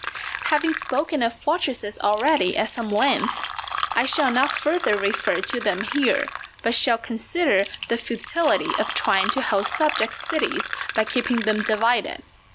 Having spoken of fortresses already at some length, I shall not further refer to them here, but shall consider the futility of trying to hold subject cities by keeping them divided.